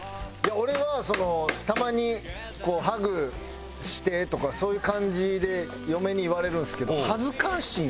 俺はたまに「ハグして」とかそういう感じで嫁に言われるんですけど恥ずかしいんですよね。